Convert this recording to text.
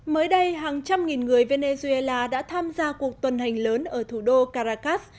mới đây hàng trăm nghìn người venezuela đã tham gia cuộc tuần hành lớn ở thủ đô caracas